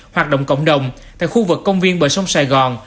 hoạt động cộng đồng tại khu vực công viên bờ sông sài gòn